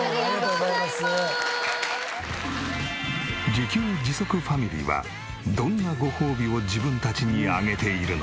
自給自足ファミリーはどんなごほうびを自分たちにあげているのか？